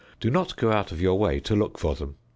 Do not go out of your way to look for them.